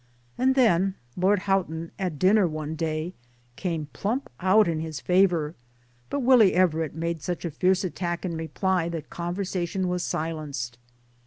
And then Lord Houghton at dinner one day came plump out in his favour but Willie Everett made such a fierce attack in reply that conversation was silenced."